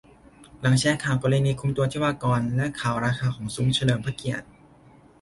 หลังแชร์ข่าวกรณีคุมตัวทิวากร และข่าวราคาของซุ้มเฉลิมพระเกียรติ